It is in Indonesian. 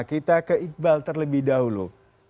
kita ke iqbal terlebih dahulu